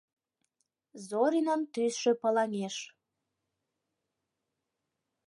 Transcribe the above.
Зоринын тӱсшӧ пылаҥеш.